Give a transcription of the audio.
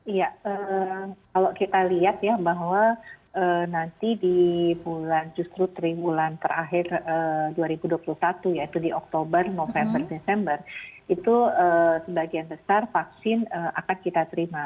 iya kalau kita lihat ya bahwa nanti di bulan justru tribulan terakhir dua ribu dua puluh satu yaitu di oktober november desember itu sebagian besar vaksin akan kita terima